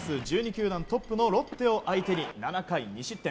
球団トップのロッテを相手に７回２失点。